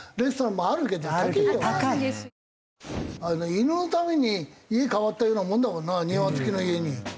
犬のために家変わったようなもんだもんな庭付きの家に。